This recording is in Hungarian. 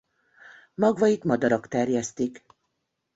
Magvait madarak terjesztik.